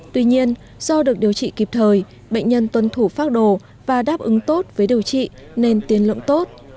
tuy nhiên do được điều trị kịp thời bệnh nhân tuân thủ phác đồ và đáp ứng tốt với điều trị nên tiến lượng tốt